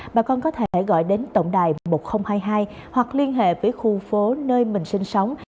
bà con có thể gọi đến tổng đài một nghìn hai mươi hai hoặc liên hệ với khu phố nơi mình sinh sống